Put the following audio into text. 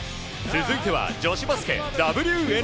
続いては女子バスケＷＮＢＡ。